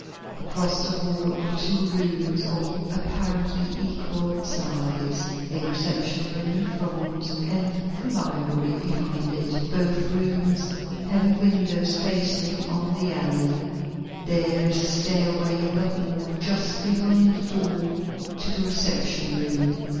Across the hall are two rooms of apparently equal size; a reception room in front and the library behind it, both rooms having windows facing on the alley. There is a stairway in the hall just behind the door to the reception room.